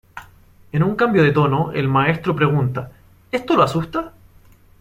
En un cambio de tono, el maestro pregunta: "¿Esto lo asusta?